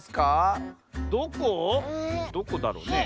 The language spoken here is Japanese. どこだろうね？